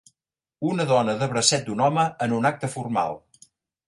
Una dona de bracet d'un home en un acte formal.